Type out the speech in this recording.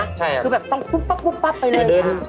คือแบบต้องกุ๊บปั๊บไปเลย